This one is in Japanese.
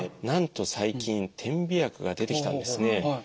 なんと最近点鼻薬が出てきたんですね。